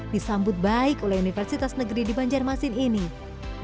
disambut baik oleh universitas negeri di banjarmasin ini